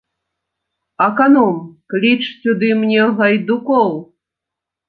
Аканом, кліч сюды мне гайдукоў!